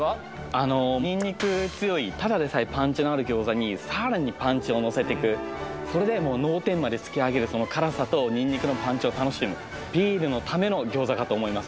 あのにんにく強いただでさえパンチのある餃子にさらにパンチをのせてくそれでもう脳天まで突き上げるその辛さとにんにくのパンチを楽しむかと思います